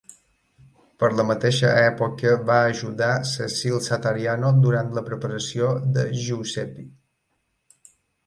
Per la mateixa època va ajudar Cecil Satariano durant la preparació de Giuseppi.